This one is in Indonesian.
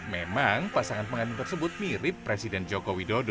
memang pasangan pengantin tersebut mirip presiden joko widodo